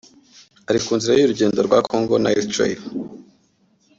ari ku nzira y’urugendo rwa Congo Nile trail